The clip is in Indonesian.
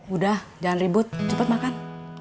udah jangan ribut cepat makan